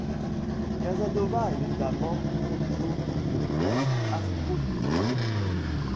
Casanova est notamment protonotaire apostolique.